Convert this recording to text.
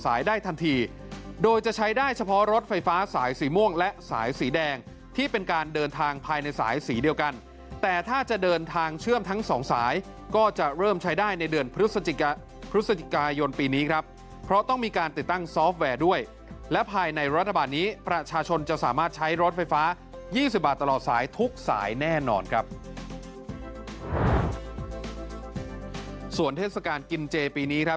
สายได้ทันทีโดยจะใช้ได้เฉพาะรถไฟฟ้าสายสีม่วงและสายสีแดงที่เป็นการเดินทางภายในสายสีเดียวกันแต่ถ้าจะเดินทางเชื่อมทั้งสองสายก็จะเริ่มใช้ได้ในเดือนพฤศจิกายนปีนี้ครับเพราะต้องมีการติดตั้งซอฟต์แวร์ด้วยและภายในรัฐบาลนี้ประชาชนจะสามารถใช้รถไฟฟ้า๒๐บาทตลอดสายทุกสายแน่นอนครั